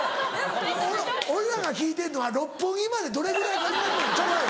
俺らが聞いてんのは六本木までどれぐらいかかんねんとか。